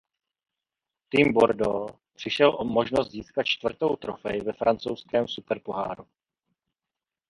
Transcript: Tým Bordeaux přišel o možnost získat čtvrtou trofej ve francouzském Superpoháru.